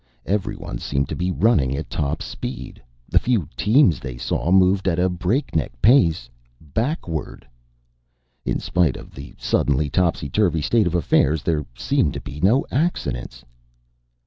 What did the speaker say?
Every one seemed to be running at top speed. The few teams they saw moved at a breakneck pace backward! In spite of the suddenly topsyturvy state of affairs there seemed to be no accidents.